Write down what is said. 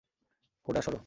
Coda, সরো।